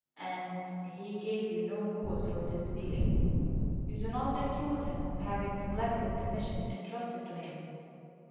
"And he gave you no cause for this feeling? You do not accuse him of having neglected the mission intrusted to him?"